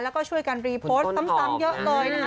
แล้วก็ช่วยกันรีโพสต์ซ้ำเยอะเลยนะคะ